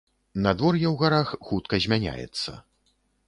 Надвор'е ў гарах хутка змяняецца.